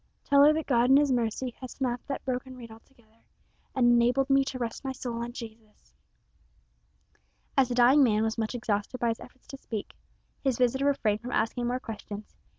Tell her that God in His mercy has snapped that broken reed altogether, and enabled me to rest my soul on Jesus." As the dying man was much exhausted by his efforts to speak, his visitor refrained from asking more questions.